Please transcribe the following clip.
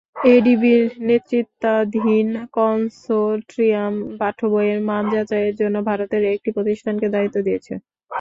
এডিবির নেতৃত্বাধীন কনসোর্টিয়াম পাঠ্যবইয়ের মান যাচাইয়ের জন্য ভারতের একটি প্রতিষ্ঠানকে দায়িত্ব দিয়েছে।